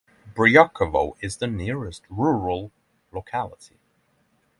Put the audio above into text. Bryokhovo is the nearest rural locality.